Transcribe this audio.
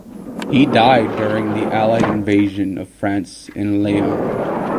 He died during the Allied invasion of France in Laon.